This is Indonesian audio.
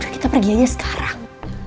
kita pergi aja sekarang